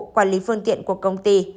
quản lý phương tiện của công ty